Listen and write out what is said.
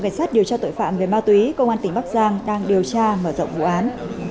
cảnh sát điều tra tội phạm về ma túy công an tỉnh bắc giang đang điều tra mở rộng vụ án